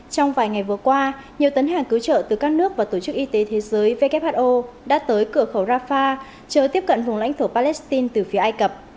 trong vài ngày vừa qua nhiều tấn hàng cứu trợ từ các nước và tổ chức y tế thế giới who đã tới cửa khẩu rafah chợ tiếp cận vùng lãnh thổ palestine từ phía ai cập